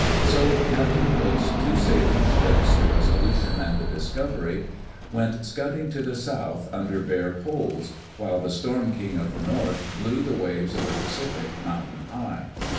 So Captain Cook's two sailing ships, the Resolution and the Discovery, went scudding to the soudi, under bare poles, while the Storm King of the North blew the waves of the Pacific mountain high.